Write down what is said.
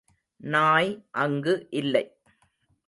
நாய் அங்கு இல்லை.